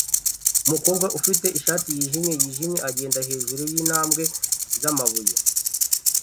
Umukobwa ufite ishati yijimye yijimye agenda hejuru yintambwe zamabuye